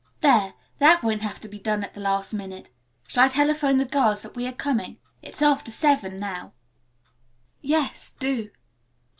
"There, that won't have to be done at the last minute. Shall I telephone the girls that we are coming? It's after seven now." "Yes, do."